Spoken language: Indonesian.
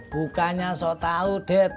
bukannya sok tau det